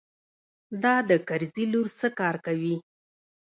دا د کرزي لور څه کار کوي.